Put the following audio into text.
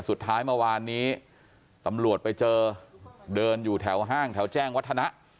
สุดท้ายเมื่อวานนี้ตำรวจไปเจอเดินอยู่แถวห้างแถวแจ้งวัฒนะ